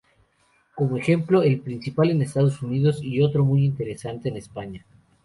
Como ejemplo, el principal en Estados Unidos, y otro muy interesante en España.